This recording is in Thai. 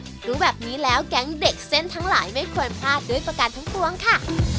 รู้แบบนี้แล้วแก๊งเด็กเส้นทั้งหลายไม่ควรพลาดด้วยประการทั้งปวงค่ะ